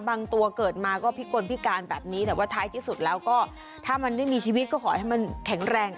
ตัวเกิดมาก็พิกลพิการแบบนี้แต่ว่าท้ายที่สุดแล้วก็ถ้ามันไม่มีชีวิตก็ขอให้มันแข็งแรง